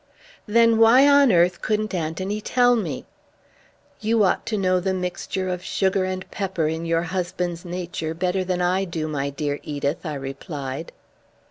"Then why on earth couldn't Anthony tell me?" "You ought to know the mixture of sugar and pepper in your husband's nature better than I do, my dear Edith," I replied.